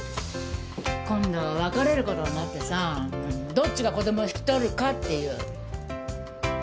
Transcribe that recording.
今度別れることになってさどっちが子供を引き取るかっていう。